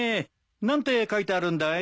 何て書いてあるんだい？